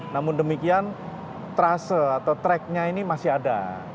namun demikian trase atau tracknya ini masih ada